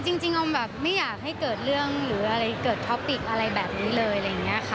คือจริงอ้มแบบไม่อยากให้เกิดเรื่องบินอะไรแบบนี้เลยค่ะ